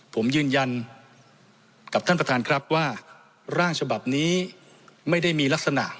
ผมยืนยันกับท่านประธานครับว่าร่างฉบับนี้ไม่ได้มีลักษณะ